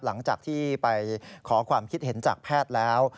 หลังจากที่ไปขอความคิดเห็นจากแพทย์แล้ว